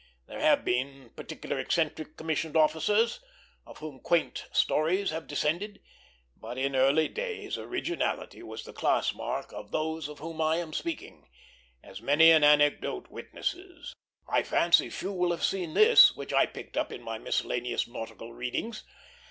There have been particular eccentric commissioned officers, of whom quaint stories have descended; but in early days, originality was the class mark of those of whom I am speaking, as many an anecdote witnesses. I fancy few will have seen this, which I picked up in my miscellaneous nautical readings.